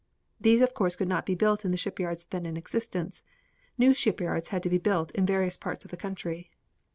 These of course could not be built in the shipyards then in existence. New shipyards had to be built in various parts of the country.